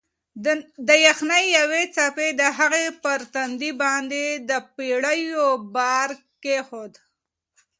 د یخنۍ یوې څپې د هغې پر تندي باندې د پېړیو بار کېښود.